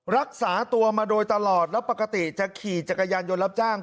รักษาตัวมาโดยตลอดแล้วปกติจะขี่จักรยานยนต์รับจ้าง